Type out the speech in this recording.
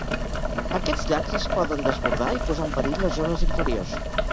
Aquests llacs es poden desbordar i posar en perill les zones inferiors.